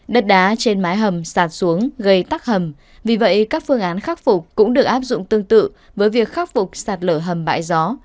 đất đá trên mái hầm sạt xuống gây tắc hầm vì vậy các phương án khắc phục cũng được áp dụng tương tự với việc khắc phục sạt lở hầm bãi gió